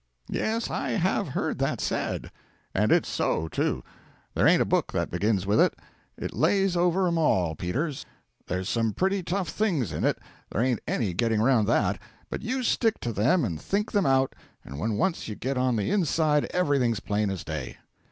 'Yes, I have heard that said.' 'And it's so too. There ain't a book that begins with it. It lays over 'em all, Peters. There's some pretty tough things in it there ain't any getting around that but you stick to them and think them out, and when once you get on the inside everything's plain as day.'